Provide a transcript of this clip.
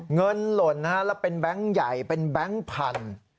หล่นนะฮะแล้วเป็นแบงค์ใหญ่เป็นแบงค์พันธุ์